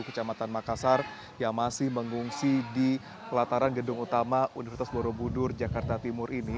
kecamatan makassar yang masih mengungsi di pelataran gedung utama universitas borobudur jakarta timur ini